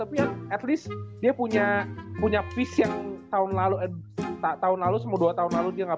tapi at least dia punya punya fish yang tahun lalu tahun lalu semua dua tahun lalu dia nggak